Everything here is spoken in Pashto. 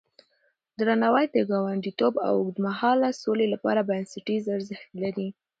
درناوی د ګاونډيتوب او اوږدمهاله سولې لپاره بنسټيز ارزښت لري.